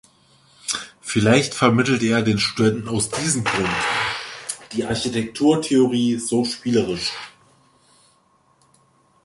Vielleicht vermittelte er den Studenten aus diesem Grund die Architekturtheorie so spielerisch.